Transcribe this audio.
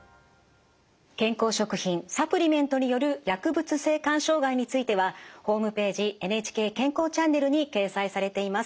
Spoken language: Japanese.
健康食品・サプリメントによる薬物性肝障害についてはホームページ「ＮＨＫ健康チャンネル」に掲載されています。